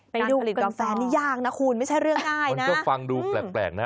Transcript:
ไปดูกันต่อนี่ยากนะคุณไม่ใช่เรื่องง่ายนะมันก็ฟังดูแปลกนะ